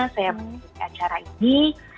saya menyanyi acara ini